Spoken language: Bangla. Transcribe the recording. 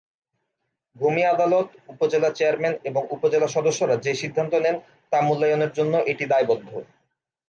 ভূমি আদালত, উপজেলা চেয়ারম্যান এবং উপজেলা সদস্যরা যে সিদ্ধান্ত নেন তা মূল্যায়নের জন্য এটি দায়বদ্ধ।